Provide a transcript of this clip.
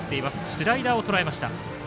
スライダーをとらえました。